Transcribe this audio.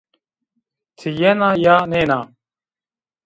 Ti yena ya nêna?